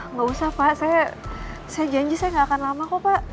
nggak usah pak saya janji saya nggak akan lama kok pak